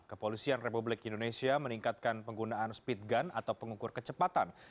kepolisian republik indonesia meningkatkan penggunaan speed gun atau pengukur kecepatan